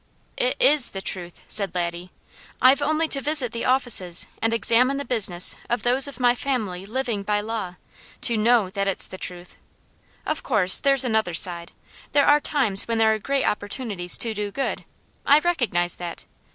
"It IS the truth," said Laddie. "I've only to visit the offices, and examine the business of those of my family living by law, to KNOW that it's the truth. Of course there's another side! There are times when there are great opportunities to do good; I recognize that.